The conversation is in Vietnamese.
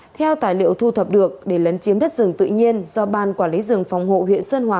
theo tài liệu thu thập được để lấn chiếm đất rừng tự nhiên do ban quản lý rừng phòng hộ huyện sơn hòa